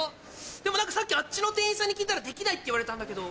でもさっきあっちの店員さんに聞いたらできないって言われたんだけど。